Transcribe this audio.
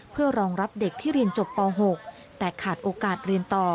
เพื่อรองรับเด็กที่เรียนจบป๖แต่ขาดโอกาสเรียนต่อ